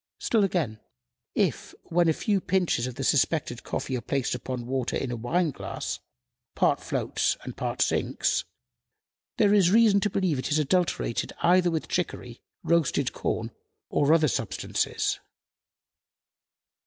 Still again: "If, when a few pinches of the suspected coffee are placed upon water in a wineglass, part floats and part sinks, there is reason to believe it is adulterated either with chicory, roasted corn, or other substances.